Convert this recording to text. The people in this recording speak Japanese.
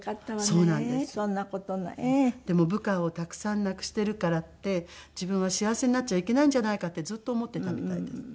でも部下をたくさん亡くしているからって自分は幸せになっちゃいけないんじゃないかってずっと思っていたみたいです。